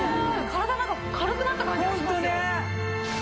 体なんか軽くなった感じがしますよ。